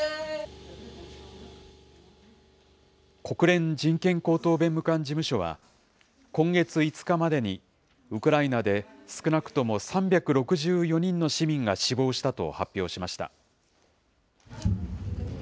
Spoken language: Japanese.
国連人権高等弁務官事務所は、今月５日までに、ウクライナで少なくとも３６４人の市民が死亡したと発表しました。